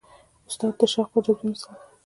استاد د شوق او جذبې مثال دی.